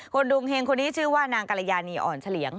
ดวงเฮงคนนี้ชื่อว่านางกรยานีอ่อนเฉลี่ยง